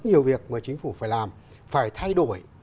những việc mà chính phủ phải làm phải thay đổi